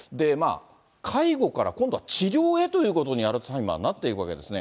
介護から、今度は治療へということに、アルツハイマーはなっていくわけですね。